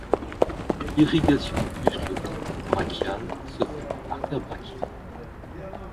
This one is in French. L'irrigation du muscle coracobrachial se fait par l'artère brachiale.